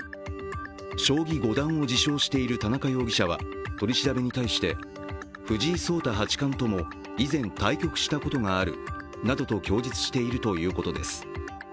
将棋五段を自称している田中容疑者は取り調べに対して藤井聡太八冠とも以前、対局したことがあるなどと供述しているということです。